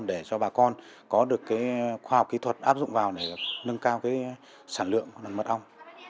để cho bà con có được khoa học kỹ thuật áp dụng vào để nâng cao sản lượng hoặc là mật ong